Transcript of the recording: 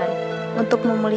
aku tidak peduli